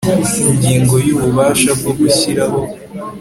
Ingingo ya Ububasha bwo gushyiraho